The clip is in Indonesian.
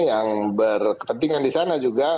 yang berkepentingan disana juga